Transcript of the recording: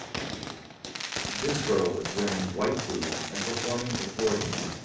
This girl is wearing white boots, and performing a floor dance.